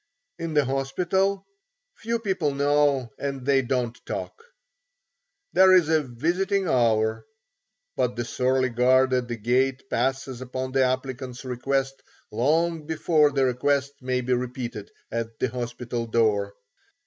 In the hospital? Few people know and they don't talk. There is a "visiting hour," but the surly guard at the gate passes upon the applicant's request long before the request may be repeated at the hospital door.